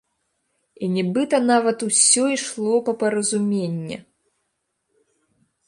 І нібыта нават усё ішло па паразумення.